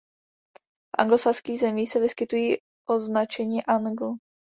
V anglosaských zemích se vyskytují označení angl.